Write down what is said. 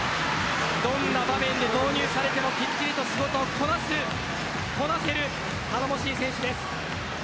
どんな場面で投入されてもきっちりと仕事をこなすこなせる頼もしい選手です。